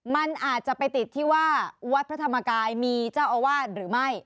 มันอาจจะไปติดที่ว่าวัดพระธรรมกายมีเจ้าอาวาสหรือไม่